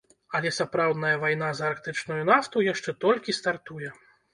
Але сапраўдная вайна за арктычную нафту яшчэ толькі стартуе.